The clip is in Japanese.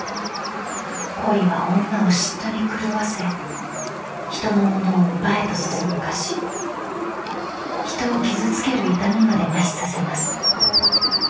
［恋は女を嫉妬に狂わせ人のものを奪えと唆し人を傷つける痛みまでまひさせます］